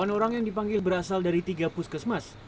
delapan orang yang dipanggil berasal dari tiga puskesmas